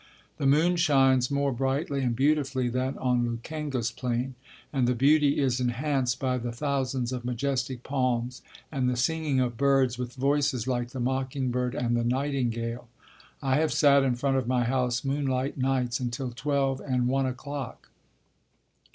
The moon shines more brightly and beautifully than on Lukenga's plain. And the beauty is enhanced by the thousands of majestic palms, and the singing of birds with voices like the mocking bird and the nightingale. I have sat in front of my house moonlight nights until 12 and 1 o'clock.